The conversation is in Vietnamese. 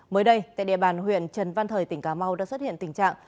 mới đây tại địa bàn huyện trần văn thời tỉnh cà mau đã xuất hiện tình trạng